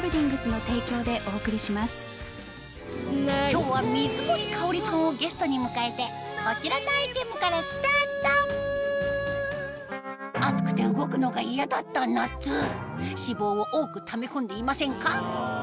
今日は水森かおりさんをゲストに迎えてこちらのアイテムからスタート暑くて動くのが嫌だった夏脂肪を多くため込んでいませんか？